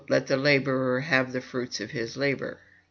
"Let the laborer have the fruits of his labor."